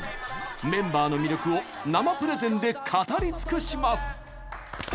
メンバーの魅力を生プレゼンで語りつくします。